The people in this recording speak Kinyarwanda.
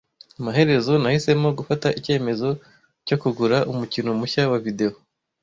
Amaherezo, nahisemo gufata icyemezo cyo kugura umukino mushya wa videwo.